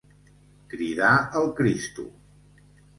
Cridar el Cristo.